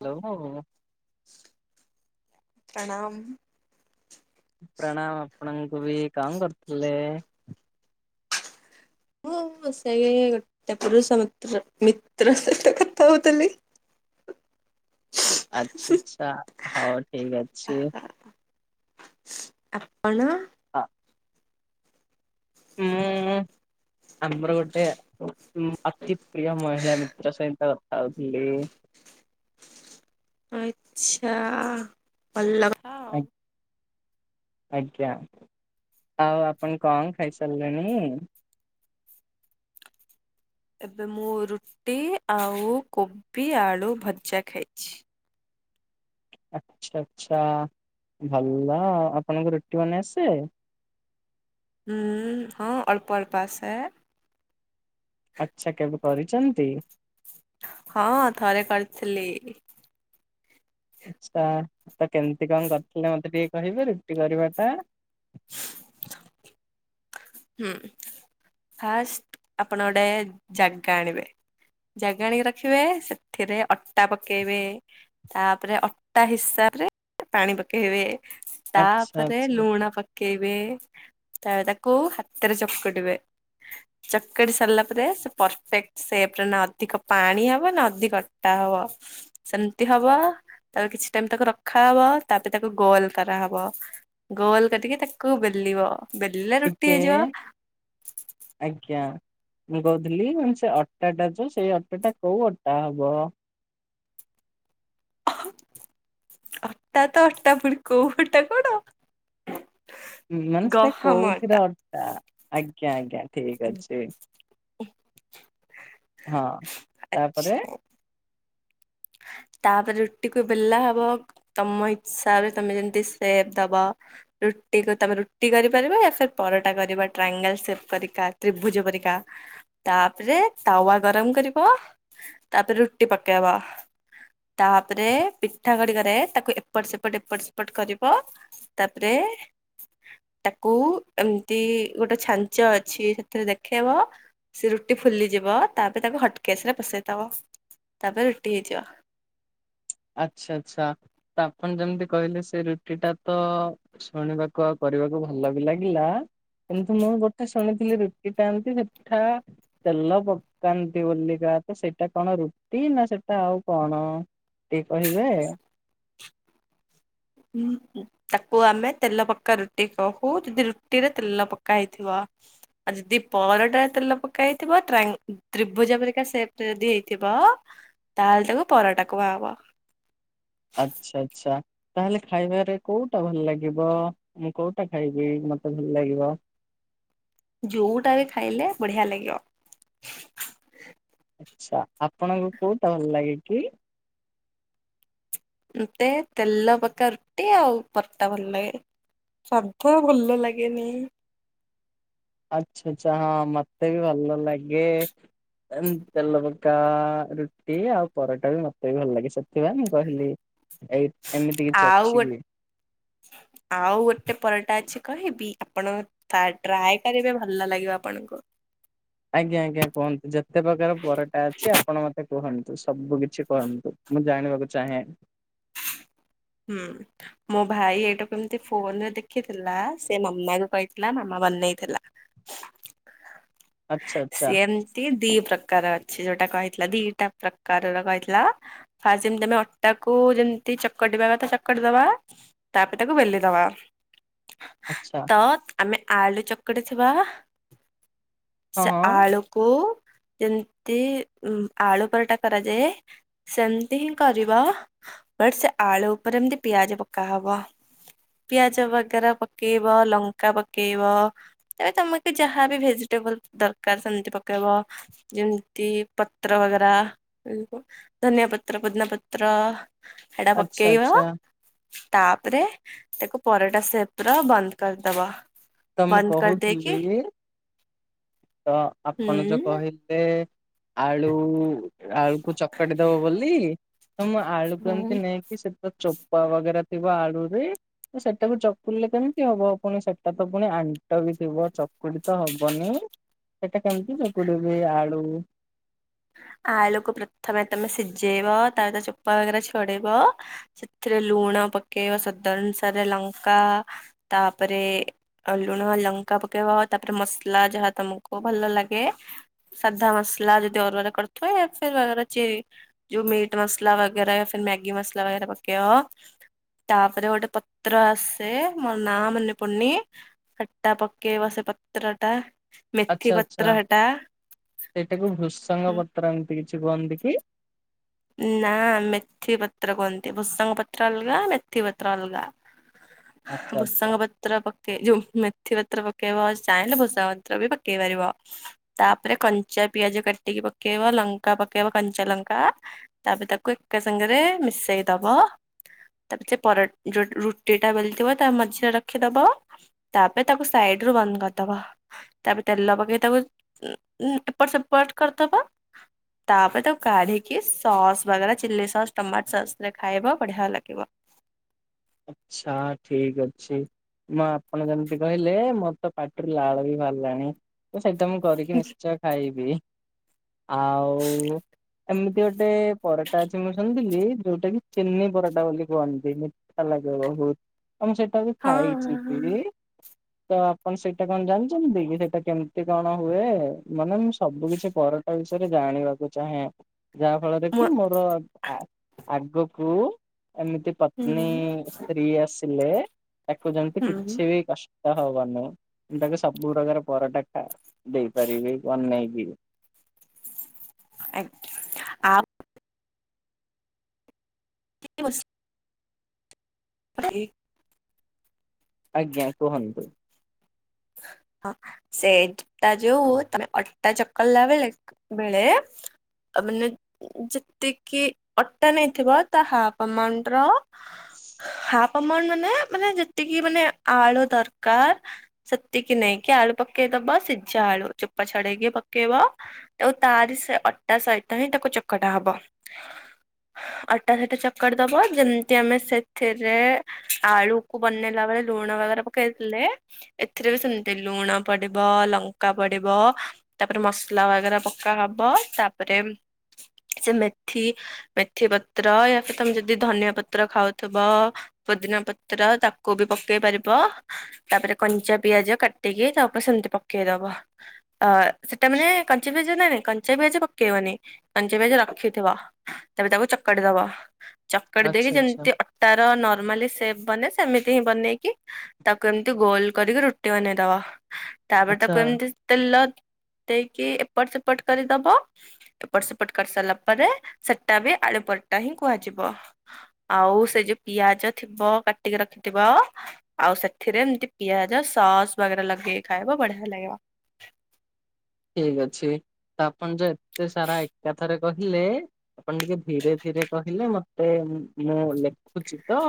Hello ପ୍ରଣାମ। ପ୍ରଣାମ ଆପଣଙ୍କୁ ବି। କଣ କରୁଥିଲେ? ମୁଁ ସେଇ ଗୋଟେ ପୁରୁଷ ନିତ୍ର ମିତ୍ର ସହିତ କଥା ହଉଥିଲି। ଆଛି ଆଛା ହଉ ଠିକ୍ ଅଛି। ଆପଣ। ହଁ। ହୁଁ ଆମର ଗୋଟେ ଉଁ ଅତିପ୍ରିୟ ମହିଳା ମିତ୍ର ସେମିତ ତ କଥା ହୋଇଚି। ଆଛା ଭଲ କ ଆ ଆଜ୍ଞା ଆଉ ଆପଣ କଣ ଖାଇସାରିଲେଣି। ଏବେ ମୁଁ ରୁଟି ଆଉ କୋବି ଆଳୁ ଭଜା ଖାଇଛି। ଆଚ୍ଛା ଆଚ୍ଛା ଭଲ ଆପଣଙ୍କୁ ରୁଟି ବନେଇ ଆସେ। ହୁଁ ହଁ ଅଳ୍ପ ଅଳ୍ପ ଆସେ। ଆଚ୍ଛା କେବେ କରିଚନ୍ତି। ହଁ ଥରେ କରିଥିଲି। ଆଚ୍ଛା ତ କେମିତି କଣ କରିଥିଲେ ମତେ ଟିକେ କହିବେ ରୁଟି କରିବା ଟା? ହୁଁ ଫାଷ୍ଟ ଆପଣ ଗୋଟେ ଜାଗା ଆଣିବେ। ଜାଗା ଆଣିକି ରଖିବେ ସେଥିରେ ଅଟା ପକେଇବେ। ତାପରେ ଅଟା ହିସାବ ରେ ପାଣି ପକେଇବେ। ଆଚ୍ଛା ତାପରେ ଆଚ୍ଛା ଲୁଣ ପକେଇବେ ତାପରେ ତାକୁ ହାତରେ ଚକୁଡିବେ। ଚକଡୁ ସରିଲା ପରେ ସେ ପରଫେକ୍ଟ ସେପରେ ନା ଅଧିକ ପାଣି ହବ ନା ଅଧିକ ଅଟା ହବ। ସେମିତି ହବ ତାପରେ କିଛି ଟାଇମ ତାକୁ ରଖା ହବ ତାପରେ ତାକୁ ଗୋଲ କରାହବ। ଗୋଲ କରିକି ତାକୁ ବେଲିବ ବେଲିଲେ ରୁଟି ହେଇଯିବ। ଆଜ୍ଞା। ଆଜ୍ଞା ମୁଁ କହୁଥିଲି ମାନେ ସେ ଅଟାଟା କୁ ସେ ଅଟା ଟା କୋଉ ଅଟା ହବ। ଅଟା ତ ଅଟାପୁଣି କଉ ଅଟା କଣ। ମାନେ ସେ କୋଉଥିର ଅଟା ଆଜ୍ଞା ଆଜ୍ଞା। ଠିକ୍ ଅଛି ହଁ ତାପରେ ତାପରେ ରୁଟିକୁ ବେଲା ହବ ତମ ଇସାବରେ ତମେ ଯେମତି ସେପ୍ ଦବ। ରୁଟିକୁ ତମେ ରୁଟି କରିପାରିବା ସେ ପରଟା କରିବା ଟ୍ରାଙ୍ଗେଲ ସେପ୍ କରିକା ତ୍ରିଭୁଜ ପରିକା। ତାପରେ ତାୱା ଗରମ କରିବ ତାପରେ ରୁଟି ପକେଇବ। ତାପରେ ପିଠା ଖଡିକାରେ ତାକୁ ଏପଟ ସେପଟ ଏପଟ ସେପଟ କରିବ। ତାପରେ ତାକୁ ଏମିତି ଗୋଟେ ଛାଞ୍ଚ ଅଛି ସେଥିରେ ଦେଖେଇବ। ସେ ରୁଟି ଫୁଲିଯିବ ତାପରେ ତାକୁ ହଟକେସ୍‌ ରେ ପସେଇଥବ ତାପରେ ରୁଟି ହେଇଯିବ। ଆଚ୍ଛା ଆଛା ତ ଆପଣ ଯେମିତି କହିଲେ ସେ ରୁଟି ଟା ତ ଶୁଣିବାକୁ ଆଉ କରିବାକୁ ଭଲ ବି ଲାଗିଲା। କିନ୍ତୁ ମୁଁ ଗୋଟେ ଶୁଣିଥିଲି ରୁଟି ଟାନ୍ତି ସେଠା ତେଲ ପକାନ୍ତି ବୋଲିକା ତ ସେଇଟା କଣ ରୁଟି ନା ସେଟା ଆଉ କଣ। ଟିକେ କହିବେ। ମୁଁ କିଏ। ତାକୁ ଆମେ ତେଲ ପକ୍କା ରୁଟି କହୁ ଦି ରୁଟି ରେ ତେଲ ପକ୍କା ହେଇଥିବ। ଆଉ ଯଦି ପରଟାରେ ତେଲ ପକା ହେଇଥିବ ଟ୍ରାଙ୍ଗ ତ୍ରିଭୁଜ ପିରିକା ସେପ୍‌ ରେ ଯଦି ହେଇଥିବ ତାହେଲେ ତାକୁ ପରଟା କୁହାହେବ। ଆଚ୍ଛା ଆଚ୍ଛା। ତାହେଲେ ଖାଇବାରେ କୋଉଟା ଭଲ ଲାଗିବ ମୁଁ କୋଉଟା ଖାଇବି ମତେ ଭଲ ଲାଗିବ। ଯୋଉଟା ବି ଖାଇଲେ ବଢିଆ ଲାଗିବ। ଆଛା ଆପଣଙ୍କୁ କୋଉଟା ଭଲ ଲାଗେ କି? ମତେ ତେଲ ପକା ରୁଟି ଆଉ ପରଟା ଭଲ ଲାଗେ। ଶବୁ ଭଲ ଲାଗେନି। ଆଚ୍ଛା ଆଚ୍ଛା ହଁ ମତେ ବି ଭଲ ଲାଗେ। ଏ ତେଲ ପକା ରୁଟି ଆଉ ପରଟା ବି ମତେ ବି ଭଲ ଲାଗେ ସେଥିପାଇଁ ମୁଁ କହିଲି। ଏଇ ଏମିତି କିଛି ଆଉ ଅଛି ଗୋ କି? ଆଉ ଗୋଟେ ପରଟା ଅଛି କହିବି ଆପଣଙ। ଥା ଟ୍ରାଏ କରିବେ ଭଲ ଲାଗିବ ଆପଣଙ୍କୁ। ଆଜ୍ଞା ଆଜ୍ଞା କୁହନ୍ତୁ ଯେତେ ପ୍ରକାର ପରଟା ଅଛି ଆପଣ ମ ତେ କୁହନ୍ତୁ ସବୁ କିଛି କୁହନ୍ତୁ ମୁଁ ଜାଣିବାକୁ ଚାହେଁ। ହୁଁ। ମୋ ଭାଇ ଏଇଟାକୁ ଏମିତି ଫୋନ ରେ ଦେଖିଥିଲା। ସେ ମାମାଙ୍କୁ କହିଥିଲା ମାମା ବନେଇଥିଲା। [inaudible] ଆଚ୍ଛା ସିଏ ଏମ ତି ଦି ପ୍ରକାର ଅଛି ଯୋଉଟା କହିଥିଲା ଦିଟା ପ୍ରକାରର କହିଥିଲା। ଫାଷ୍ଟ ଯେମିତି ଆମେ ଅଟା କୁ ଯେମତି ଚ ଚକଟିବା କଥା ଚକଟି ଦବା ତାପରେ ତାକୁ ବେଲି ଦବା। ଆଚ୍ଛା। ଅ ଆମେ ଆଳୁ ଚକଟି ଥିବା ହଁ ସେ ହଁ ଆଳୁକୁ। ଯେମିତି ଉଁ ଆଳୁ ପରଟା କରାଯାଏ। ସେମତି ହିଁ କରିବ ବଟ ସେ ଆଳୁ ଉପରେ ଏମିତି ପିଆଜ ପକାହବ। ପିଆଜ ବଗେରା ପକେଇବ ଲଙ୍କା ପକେଇବ। ତେ ତମେକୁ ଯାହାବି ଭେଜିଟେବଲ ଦରକାର ସେମିତି ପକେଇବ। ଯେମିତି ପତ୍ର ବଗେରା ଧନିଆ ପତ୍ର ପୋଦିନା ପତ୍ର। ହେଟା ଆଚ୍ଛା ପକେଇବ ଆଚ୍ଛା। ତାପରେ ତାକୁ ପରଟା ସେପ ର ବନ୍ଦ କରିଦବ। ତ ମୁଁ ବନ୍ଦ କରିଦେଇକି କହୁଥିଲି ତ ଆପଣ ଯୋଉ ହୁଁ କହିଲେ। ଆଳୁ ଆଳୁକୁ ଚକଟି ଦବ ବୋଲି ତ ମୁଁ ଆଳୁକୁ ହୁଁ ଏମିତି ନେଇ। କି ସେତ ଚୋପା ବଗେରା ଥିବା ଆଳୁରେ ତ ସେଟାକୁ ଚକୁଡିଲେ କେମିତି ହବ ଆପଣ ସ ସେଟା ତ ପୁଣି ଆଣ୍ଟ ବି ଥିବ ଚକୁଡି ତ ହବନି। ସେଇଟା କେମିତି ଚକୁଡିବି ଆଳୁ। ଆଳୁକୁ ପ୍ରଥମେ ତମେ ସିଝେଇବ ତାପରେ ତାର ଚୋପା ବଗେରା ଛଡେଇବ। ସେଥିରେ ଲୁଣ ପକେଇବା ସ୍ବାଦ ଅନୁସାରେ ଲଙ୍କା ତାପରେ। ଆଉ ଲୁଣ ଲଙ୍କା ପକେଇବ ତାପରେ ମସଲା ଯାହା ତମକୁ ଭଲ ଲାଗେ। ସାଧା ମସଲା ଯଦି ଅରୁଆରେ କରିଥିବ ଏଥିରେ ଅଛି। ଯୋଉ ମିଟ ମସଲା ବଗେରା ୟା ଫିର୍ ମ୍ୟାଗି ମସଲା ବଗେରା ପକେଇବ। ତାପରେ ଗୋଟେ ପତ୍ର ଆସେ ମୋର ନାଁ ମନେ ପଡୁନି। ସେଟା ପକେଇବ ସେ ପତ୍ର ଟା। ମେଥି ଆଚ୍ଛା ପତ୍ର ଆଚ୍ଛା। ହେଟା ସେଇଟାକୁ ହୁଁ ଭୃସଙ୍ଗ ପତ୍ର ଏମିତି କିଛି କୁହନ୍ତି କି? ନା ମେଥି ପତ୍ର କୁହନ୍ତି। ଭୃସଙ୍ଗ ପତ୍ର ଅଲଗା ମେଥି ପତ୍ର ଅଲଗା। [inaudible] ଆଚ୍ଛା ଭୃସୁଙ୍ଗ ପତ୍ ପତ୍ର ପକେଇ ଯୋଉ ମେଥି ପତ୍ର ପକେଇବ। ଚାହିଁଲେ ଭୃସୁଙ୍ଗ ପତ୍ର ବି ପକେଇ ପାରିବ। ତାପରେ କଞ୍ଚା ପିଆଜ କାଟିକି ପକେଇବ ଲଙ୍କା ପକେଇବ କଞ୍ଚା ଲଙ୍କା। ତାପେ ତାକୁ ଏକା ସାଙ୍ଗେରେ ମିଶେଇ ଦବ। ତାପ୍ ଚେ ପର ଯୋଉ ରୁଟିଟା ବେଲିଥିବ ତା ମଝିରେ ରଖିଦବ। ତାପରେ ତାକୁ ସାଇଡ଼ରୁ ବନ୍ଦ କରିଦବ। ତାପ ତେଲ ପକେଇ ତାକୁ ଉଁ ଉଁ ଏପଟ ସେପଟ କରିଦବ। ତପରେ ତାକୁ କାଢ଼ି କି ସସ୍ ବାଗେରା ଚିଲି ସସ୍ ଟମାଟୋ ସସ୍ ରେ ଖାଇବ ବଢ଼ିଆ ଲାଗିବ। ଆଚ୍ଛା ଠିକ୍ ଅଛି। ମୁଁ ଆପଣ ଯେମିତି କହିଲେ ମୋର ତ ପାଟିରୁ ଲାଳ ବି ଭାରଲାଣି। ତ ସେଇଟା ମୁଁ କରିକି ନିଶ୍ଚୟ ଖାଇବି। ଆଉ ଏମିତି ଗୋଟେ ପରଟା ଅଛି ମୁଁ ଶୁଣିଥିଲି ଯୋଉଟା କି ଚିନି ପରଟା ବୋଲି କୁହନ୍ତି। ଠା ଲାଗିବ ବହୁତ। ଆ ମୁଁ ସେଇଟା ବି ଖାଇଛି ବି। ତ ଆପଣ ସେଇଟା କଣ ଜାଣିଣନ୍ତି କି ସେଟା କେମିତି କଣ ହୁଏ ମାନେ ମୁଁ ସବୁ କିଛି ପରଟା ବିଷୟରେ ଜାଣିବାକୁ ଚାହେଁ ଯାହା ଫଳରେ ମୁଁ କି ମୋର ଧା ଆଗକୁ ଏମିତି ପତ୍ନୀ ସ୍ତ୍ରୀ ଆସିଲେ ଆକୁ ଯେମତି ହୁଁ କିଛି ବି କଷ୍ ତ ହବନେଇ ମୁଁ ତାକୁ ସବୁ ପ୍ରକାର ପରଟା ଖା ଦେଇପାରିବି ବନେଇକି। ଆଜ୍ଞା ଆ କି ବସ୍ ଇ ଆଜ୍ଞା କୁହନ୍ତୁ। ହଁ। ସେଟା ଯୋଉ ତମେ ଅଟା ଚକଲା ବେଳେ ବେଳେ ମାନେ ଯେତିକି ଅଟା ନେଇଥିବ ତା ହାଫ୍ ଆମାଣ୍ଡର ହାପ୍ ଆମାଉଣ୍ଡ ମାନେ ମାନେ ଯେତିକି ମାନେ ଆଳୁ ଦରକାର। ସେତିକି ନେଇକି ଆଳୁ ପକେଇଦବା ସିଜା ଆଳୁ ଚୋପା ଛଡେଇକି ପକେଇବ। ଟାଉ ତାରି ସେ ଅଟା ସହିତ ହିଁ ତାକୁ ଚକଟା ହବ। ଅଟା ସେଟା ଚକଡ଼ି ଦବ ଯେମତି ଆମେ ସେଥେରେ ଆଳୁକୁ ବନେଇଲା ବେଳେ ଲୁଣ ବଗେରା ପକେଇଥିଲେ। ଏଥିରେ ବି ସେମତି ଲୁଣ ପଡ଼ିବ ଲଙ୍କା ପଡ଼ିବ। ତାପରେ ମସଲା ବଗେରା ପକା ହବ ତାପରେ ସେ ମେଥି ମେଥି ପତ୍ର ୟା ଫିର୍ ତମେ ଯଦି ଧନିଆ ପତ୍ର ଖାଉଥୁବ ପୋଦିନା ପତ୍ର ତାକୁ ବି ପକେଇ ପାରିବ ତାପରେ କଞ୍ଚା ପିଆଜ କାଟିକି ତା ଉପ ସେମତି ପକେଇଦବ ଅ ସେଟା ମାନେ କଞ୍ଚା ପିଆଜ ନାଁ ନାଇଁ କ ଞ୍ଚା ପିଆଜି ପକେଇବନି କଞ୍ଚା ପିଆଜ ରଖିଥିବ ତାପରେ ତାକୁ ଚକଡ଼ି ଦବ। ଚକଡ଼ି ଦେଇକି ଆଚ୍ଛା ଆଚ୍ଛା ଯେମତି ଅ ଟାର ନର୍ମାଲି ସେପ୍ ବନେ ସେମିତି ହିଁ ବନେଇକି ତାକୁ ଏମତି ଗୋଲ୍ କରିକି ରୁଟି ବନେଇଦବ ତାପରେ ତାକୁ ଆଚ୍ଛା ଏମତି ତେଲ ଦେଇକି ଏପଟ ସେପଟ କରିଦବ। ଏପଟ ସେପଟ କରି ସାରଲା ପରେ ସେଟା ବି ଆଳୁ ପରଟା ହିଁ କୁହାଯିବ। ଆଉ ସେ ଯୋଉ ପିଆଜ ଥିବ କାଟିକି ରଖିଥିବ ଆଉ ସେଥିରେ ଏମତି ପିଆଜ ସସ୍ ବଗେରା ଲଗେଇ ଖାଏବ ବଢ଼ିଆ ଲାଗିବ। ଠିକ୍ ଅଛି ତ ଆପଣ ଯୋଉ ଏତେ ସାରା ଏକାଥରେ କହିଲେ ଆପଣ ଟିକେ ଧୀରେ ଧୀରେ କହିଲେ ମତେ ମୁଁ ଲେଖୁଛି ତ।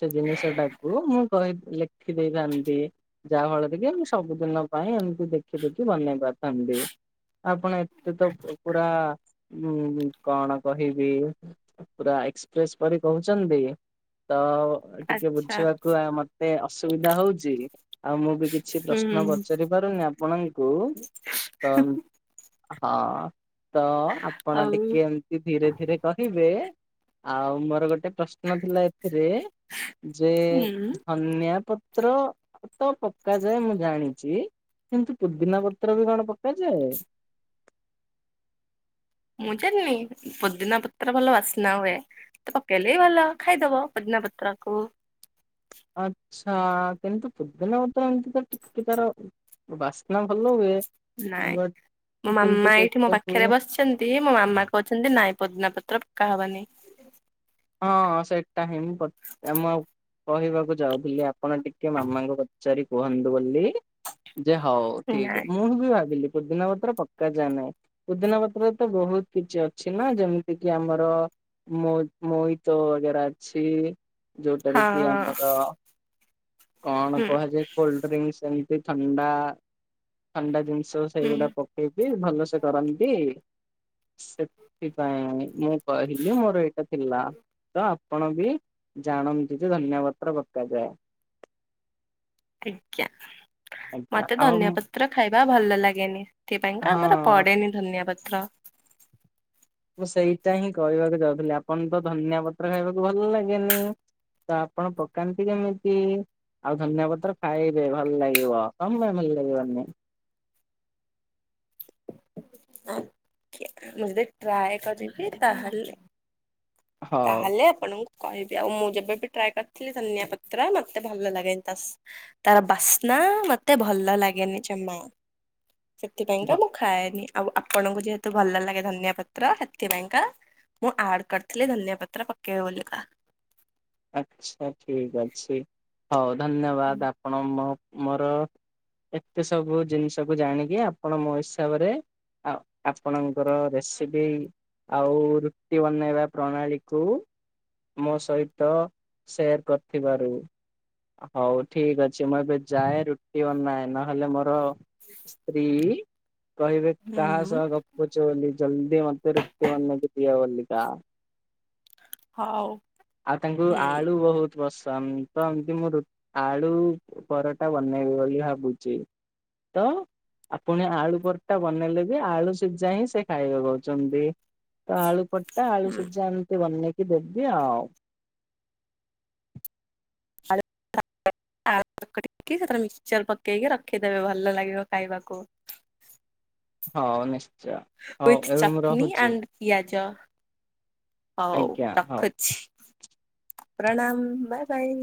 ସେ ଜିନିଷ ଟାକୁ ମୁଁ କହି ଲେଖି ଦେଇଥାନ୍ତି। ଯାହା ଫଳରେ କି ଆମେ ସବୁଦିନ ପାଇଁ ଏମିତି ଦେଖି ଦେଖି ବନେଇ ପାର ଥାନ୍ତି ଆପଣ ଏତେ ତ ପ ପୁରା ମୁଁ କଣ କହିବି। ପୁରା ଏକ୍ସପ୍ରେସ ପରି କହୁଚନ୍ତି ତ। ଅ ଟିକେ ଆଚ୍ଛା ବୁଝିବାକୁ ଆଉ ମତେ ଅସୁବିଧା ହଉଚି ଆଉ ମୁଁ ବି କିଛି ହୁଁ ପ୍ରଶ୍ନ ପଚାରି ପାରୁନି ଆପଣଙ୍କୁ। ତ ଉଁ ହଁ ତ ଆପଣ ଆଉ ଟିକେ ଉଁ ଧୀରେ ଧୀରେ କହିବେ ଆଉ ମୋର ଗୋଟେ ପ୍ରଶ୍ ନଥିଲା ଏଥିରେ ଯେ ହୁଁ। ଧନିଆ ପତ୍ର ତ ପକାଯାଏ ମୁଁ ଜାଣିଚି କିନ୍ତୁ ପୋଦିନା ପ ତ୍ର ବି କଣ ପକାଯାଏ? ମୁଁ ଜାଣିନି ପୋଦିନା ପତ୍ର ଭଲ ବାସ୍ନା ହୁଏ। ପକେଇଲେ ବି ଭଲ ଖାଇଦବ ପୋଦିନା ପତ୍ର କୁ। ଆଚ୍ଛା କିନ୍ତୁ ପୋଦିନା ପତ୍ର ଏମିତି ତ ଟିକେ ତାର ବାସ୍ନା ଭଲ ହୁଏ। ନାଇଁ ବଟ୍ ମୋ କିନ୍ତୁ ମାମା ଏଇଠି ମୋ ସେଇଟାକୁ ପାଖେରେ ବସି ଚନ୍ତି ମୋ ମାମା କହୁଛନ୍ତି ନାଇଁ ପୋଦିନା ପତ୍ର ପକା ହବନି। ହଁ ସେଇଟା ହିଁ ପ ଆମ କହିବାକୁ ଯାଉଥିଲି ଆପଣ ଟିକେ ମାମାଙ୍କୁ ପଚାରି କୁହନ୍ତୁ ବୋଲି। ଯେ ହଉ ଠିକ୍ ଅ ନାଇଁ ମୁଁ ବି ଭାବିଲି ପୋଦିନା ପତ୍ର ପକାଯାଏ ନାହିଁ। ପୋଦିନା ପତ୍ର ରେ ତ ବହୁତ କିଛି ଅଛି ନା ଯେମିତିକିି ଆମର ମୋ ମୋଇତ ବଗେରା ଅଛି ଯୋଉଟାକି ହଁ ଆମର କଣ ହୁଁ କୁହାଯାଏ କୋଲ୍ଡଡ୍ରିଙ୍କସ୍ ଏମତି ଥଣ୍ଡା ଥଣ୍ଡା ଜିନିଷ। ହୁଁ ସେଗୁଡା ପକେଇକି ଭଲସେ କରନ୍ତି। ସେଥିପାଇଁ ମୁଁ କହିଲି ମୋର ଏ ଏ ଥିଲା ତ ଆପଣ ବି ଜାଣନ୍ତୁ ଯେ ଧନିଆପତ୍ର ପକାଯାଏ। ଆଜ୍ଞା। ଆଜ୍ଞା ମତେ ଆଉ ଧନିଆ ମୁଁ ପତ୍ର ଖାଇବା ଭଲ ଲାଗେନି ସେଥିପାଇଁକା ଆମର ହଁ ପଡେନି। ଧନିଆ ପତ୍ର। ମୁଁ ସେଇଟା ହିଁ କହିବାକୁ ଯାଉଥିଲି ଆପଣ ତ ଧନିଆ ପତ୍ର ଖାଇବାକୁ ଭଲ ଲାଗେନି। ତ ଆପଣ ପକାନ୍ତି କେମିତି? ଆଉ ଧନିଆ ପତ୍ର ଖାଇବେ ଭଲ ଲାଗିବ କଣ ପାଇଁ ଭଲ ଲାଗିବନି। ଆଜ୍ଞା ମୁଁ ଯଦି ଟ୍ରାଏ କରିକି ତାହେଲେ ହଉ। ତାହେଲେ ଆପଣଙ୍କୁ କହିବି ଆଉ ମୁଁ ଯେବେ ବି ଟ୍ରାଏ କରିଥିଲି ଧନିଆ ପତ୍ର ମତେ ଭଲ ଲାଗେନି ତା ସ୍ ତାର ବାସ୍ନା ମତେ ଭଲ ଲାଗେନି ଜମା ସେଥିପାଇଁକା ମୁଁ ଖାଏନି ଆଉ ଆପଣଙ୍କୁ ଯେହେତୁ ଭଲ ଲାଗେ ଧନିଆ ପତ୍ର ସେଥିପାଇଁକା ମୁଁ ଆଡ୍ କର ଥିଲି ଧନିଆ ପତ୍ର ପକେଇବେ ବୋଲିକା। ଆଚ୍ଛା ଠିକ୍ ଅଛି ହଉ ଧନ୍ୟବାଦ ଆପଣ ମୋ ମୋର ଏତେ ସବୁ ଜିନିଷକୁୁ ଜାଣିକି ଆପଣ ମୋ ହିସାବରେ ଆଉ ଆପଣଙ୍କର ରେସିପି ଆଉ ରୁଟି ବନେଇବା ପ୍ରଣାଳୀ କୁ ମୋ ସହି ତ ଶେୟାର କରିଥିବାରୁ। ହଉ ଠିକ୍ ଅଛି ମୁଁ ଏବେ ଯାଏ ରୁଟି ବନାଏ ନହେଲେ ମୋର ସ୍ତ୍ରୀ କହିବେ ହୁଁ କାହା ସହ ଗ ପୁଚ ବୋଲି ଜଲଦି ମତେ ରୁଟି ମାନ ବନେଇ ଦିଅ ବଲିକା ହଉ। ଆଉ ତାଙ୍କୁ ହୁଁ ଆଳୁ ବହୁତ ପସନ୍ଦ ତ ଏମିତି ମୁଁ ଆଳୁ ପରଟା ବନେଇବି ବୋଲି ଭାବୁଛି। ତ ଆପୁଣି ଆଳୁ ପରଟା ବନେଇଲେ ବି ଆଳୁ ସିଝା ହିଁ ସେ ଖାଇବେ ବୋଲି କହୁଛନ୍ତି। ତ ଆଳୁ ପଟା ଆଳୁ ହୁଁ ସିଝା ଏମିତି ବନେଇକି ଦେବି ଆଉ। [inaudible] [unintelligible] ମିକ୍ସଚର ପକେଇକି ରଖିଦେବେ ଭଲ ଲାଗିବ ଖାଇବାକୁ। ହ ନିଶ୍ଚ ଉୱିଥ୍ ଚଟ୍ଣିୀ ଆଣ୍ଡ୍ ପିଆଜ ହଉ ଆଜ୍ଞା ହଉ। ରଖୁଛି ପ୍ରଣାମ ବାଇ ବାଇ।